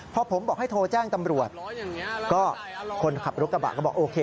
พอผมบอกให้โทรแจ้งตำรวจก็คนขับรถกระบะก็บอกโอเค